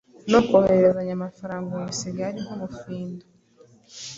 No kohererezanya amafaranga ubu bisigaye ari nk’ubufindo?